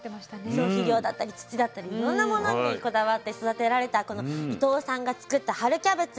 そう肥料だったり土だったりいろんなものにこだわって育てられたこの伊藤さんが作った春キャベツ。